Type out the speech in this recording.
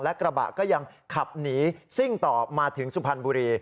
และกระบะก็ยังขับหนีซิ่งต่อมาถึงสุพรรณบุรี